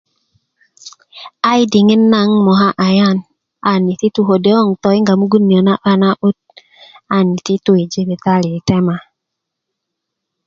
ayi diŋit naŋ 'n moka ayan an iti tu kode kon toyinga mugun niyo na 'ban na'but an ti tu i jibitali i tema